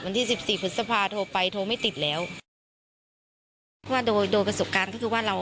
ที่สิบสี่พฤษภาโทรไปโทรไม่ติดแล้วเพราะว่าโดยโดยประสบการณ์ก็คือว่าเรา